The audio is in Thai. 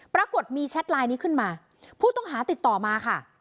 ปรากฏมีแชทไลน์นี้ขึ้นมาผู้ต้องหาติดต่อมาค่ะ